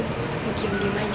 mau diam diam aja